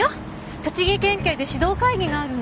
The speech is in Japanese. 栃木県警で指導会議があるの。